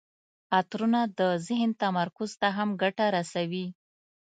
عطرونه د ذهن تمرکز ته هم ګټه رسوي.